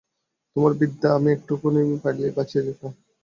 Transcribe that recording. তোমার বিদ্যা আমি একটুখানি পাইলে বাঁচিয়া যাইতাম।